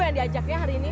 gimana diajaknya hari ini